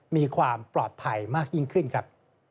มีความปลอดภัยมากยิ่งขึ้นครับ